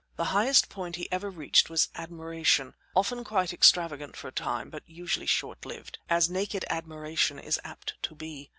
The highest point he ever reached was admiration, often quite extravagant for a time, but usually short lived, as naked admiration is apt to be.